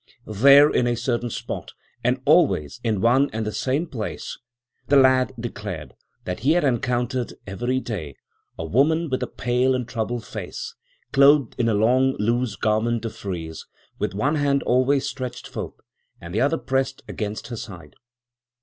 There in a certain spot and always in one and the same place, the lad declared that he had encountered, every day, a woman with a pale and troubled face, clothed in a long loose garment of frieze, with one hand always stretched forth, and the other pressed against her side.